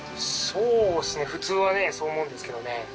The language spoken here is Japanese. そうですね普通はねそう思うんですけどね。